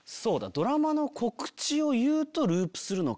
ドラマの告知を言うとループするのか。